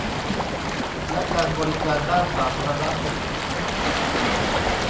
และการบริการด้านสาธารณสุข